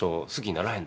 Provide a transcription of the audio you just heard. ならへん。